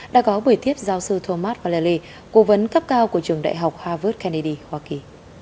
đã có buổi tiếp giáo sư thomas vallely cố vấn cấp cao của trường đại học harvard kennedy hoa kỳ